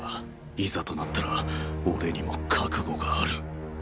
いざとなったら俺にも覚悟がある。